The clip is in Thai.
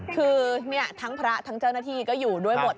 คือทั้งพระทั้งเจ้าหน้าที่ก็อยู่ด้วยหมด